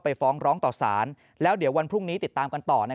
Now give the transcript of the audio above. ฟ้องร้องต่อสารแล้วเดี๋ยววันพรุ่งนี้ติดตามกันต่อ